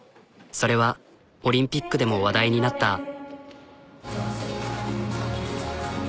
それはオリンピックでも話題になった。